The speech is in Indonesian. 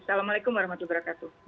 assalamualaikum warahmatullahi wabarakatuh